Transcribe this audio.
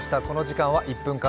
この時間は「１分！